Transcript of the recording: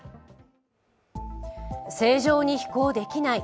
正常に飛行できない。